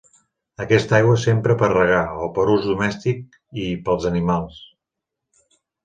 Aquesta aigua s'empra per regar o per a ús domèstic i pels animals.